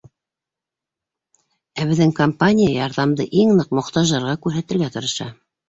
Ә беҙҙең компания ярҙамды иң ныҡ мохтаждарға күрһәтергә тырыша.